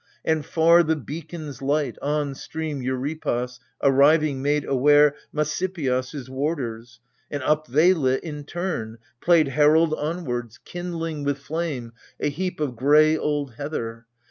And far the beacon's light, on stream Euripos Arriving, made aware Messapios' warders, And up they lit in turn, played herald onwards, AGAMEMNON. 27 Kindling with flame a heap of gray old heather.